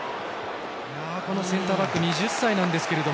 センターバック２０歳なんですけど。